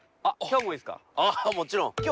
ああもちろん。